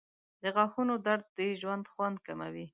• د غاښونو درد د ژوند خوند کموي.